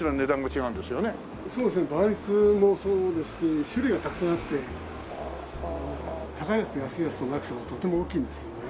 そうですね倍数もそうですし種類がたくさんあって高いやつと安いやつとの落差がとても大きいんですよね。